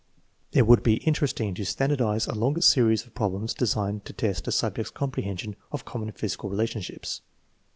It would be interesting to standardize a longer series of problems designed to test a subject's comprehension of common physical relationships.